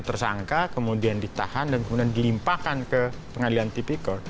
tersangka kemudian ditahan dan kemudian dilimpahkan ke pengadilan tipikor